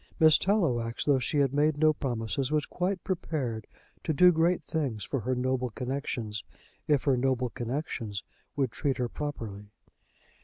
Miss Tallowax, though she had made no promises, was quite prepared to do great things for her noble connexions, if her noble connexions would treat her properly.